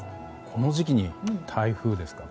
この時期に台風ですか。